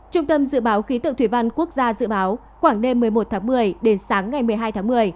trung tâm dự báo khí tượng thủy văn quốc gia dự báo khoảng đêm một mươi một tháng một mươi đến sáng ngày một mươi hai tháng một mươi